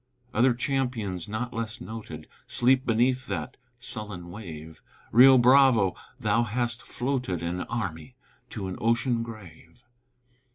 Other champions not less noted Sleep beneath that sullen wave; Rio Bravo, thou hast floated An army to an ocean grave.